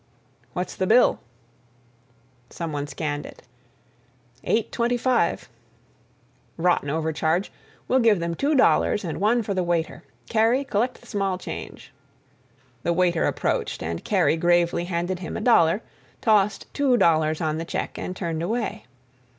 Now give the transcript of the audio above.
"What's the bill?" Some one scanned it. "Eight twenty five." "Rotten overcharge. We'll give them two dollars and one for the waiter. Kerry, collect the small change." The waiter approached, and Kerry gravely handed him a dollar, tossed two dollars on the check, and turned away.